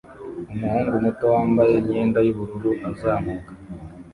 Umuhungu muto wambaye imyenda yubururu azamuka